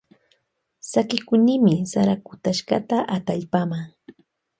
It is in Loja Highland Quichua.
Sakikunimi sara kutashkata atallpama.